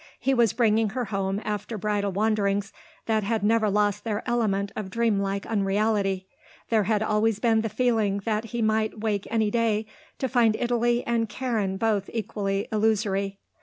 He was bringing her home after bridal wanderings that had never lost their element of dream like unreality. There had always been the feeling that he might wake any day to find Italy and Karen both equally illusory.